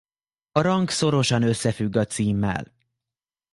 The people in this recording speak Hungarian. A rang szorosan összefügg a címmel.